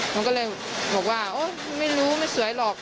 มันก็เลยบอกว่าโอ้ไม่รู้ไม่สวยหรอก